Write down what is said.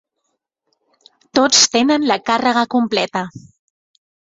Tots tenen la càrrega completa.